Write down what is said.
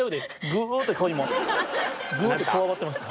グーッてこわばってました。